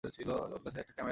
ওর কাছে একটা ক্যামেরা আছে।